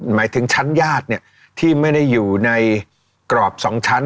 หมายถึงชั้นญาติเนี่ยที่ไม่ได้อยู่ในกรอบ๒ชั้น